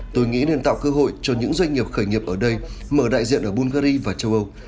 tôi nghĩ nên tạo cơ hội cho những doanh nghiệp khởi nghiệp ở đây mở đại diện ở bungary và châu âu